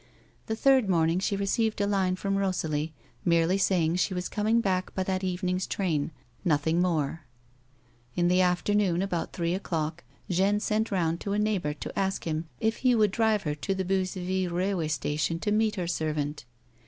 The third morning she received a line from Rosalie merely saving she was com ing back by that evening's train ; nothing more ; and in the afternoon, about three o'clock, Jeanne sent round to a neighbour to ask him if he would drive her to the Beuzeville railway station to meet her servant.